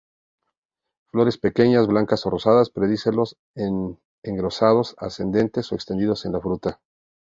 Flores pequeñas, blancas o rosadas; pedicelos no engrosados, ascendentes o extendidos en la fruta.